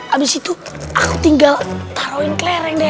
abis itu aku tinggal taroin kelereng deh